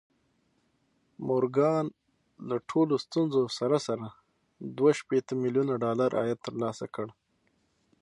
مورګان له ټولو ستونزو سره سره دوه شپېته ميليونه ډالر عايد ترلاسه کړ.